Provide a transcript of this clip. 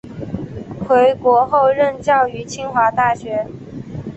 回国后任教于清华大学。